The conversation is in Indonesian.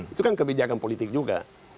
itu kan kebijakan politik juga